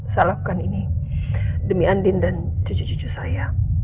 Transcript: saya lakukan ini demi andin dan cucu cucu saya